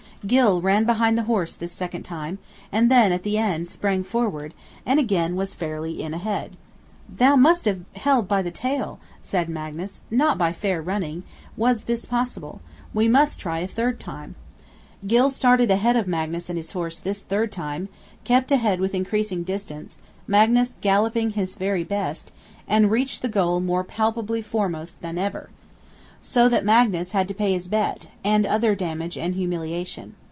Gylle ran behind the horse this second time; then at the end, sprang forward; and again was fairly in ahead. "Thou must have held by the tail," said Magnus; "not by fair running was this possible; we must try a third time!" Gylle started ahead of Magnus and his horse, this third time; kept ahead with increasing distance, Magnus galloping his very best; and reached the goal more palpably foremost than ever. So that Magnus had to pay his bet, and other damage and humiliation.